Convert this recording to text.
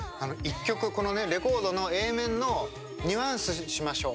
１曲、レコードのＡ面の「ニュアンスしましょ」。